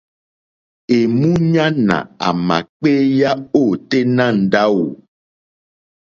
Èmúɲánà àmà kpééyá ôténá ndáwù.